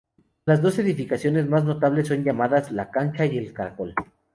Las dos edificaciones más notables son llamadas La Cancha y El Caracol.